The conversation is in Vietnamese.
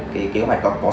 cái kế hoạch có sản xuất